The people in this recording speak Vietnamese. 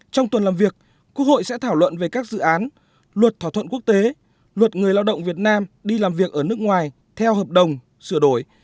trong tuần làm việc quốc hội sẽ thảo luận về các dự án luật thỏa thuận quốc tế luật người lao động việt nam đi làm việc ở nước ngoài theo hợp đồng sửa đổi